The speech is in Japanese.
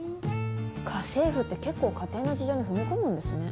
家政婦って結構家庭の事情に踏み込むんですね。